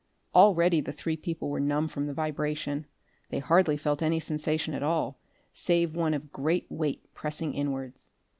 Already the three people were numb from the vibration; they hardly felt any sensation at all, save one of great weight pressing inwards.